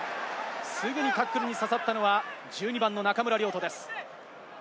すぐにタックルに刺さったのは中村亮土です。